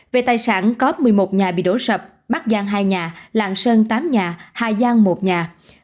về tài sản có một mươi một nhà bị đổ sập bắc giang hai nhà lạng sơn tám nhà hà giang một nhà